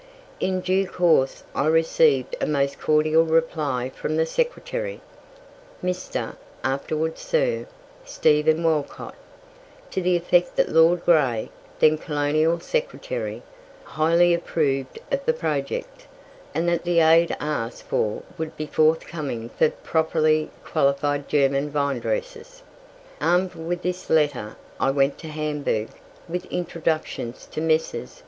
In due course, I received a most cordial reply from the secretary, Mr. (afterwards Sir) Stephen Walcot, to the effect that Lord Grey, then Colonial Secretary, highly approved of the project, and that the aid asked for would be forthcoming for properly qualified German vinedressers. Armed with this letter, I went to Hamburg with introductions to Messrs.